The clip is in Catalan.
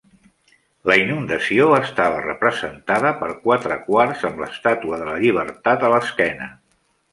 La inundació estava representada per quatre quarts amb l'estàtua de la llibertat a l'esquena.